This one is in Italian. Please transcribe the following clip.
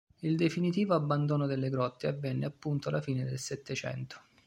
Il definitivo abbandono delle grotte avvenne appunto alla fine del Settecento.